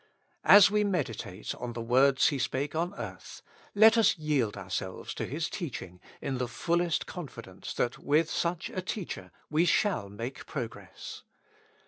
As we meditate on the words He spake on earth, let us yield ourselves to his teach ing in the fullest confidence that with such a teacher we shall make progress.